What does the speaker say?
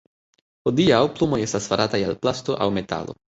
Hodiaŭ, plumoj estas farataj el plasto aŭ metalo.